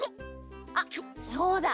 あっそうだ！